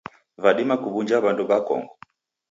Vadima kuw'unja w'andu w'akongo.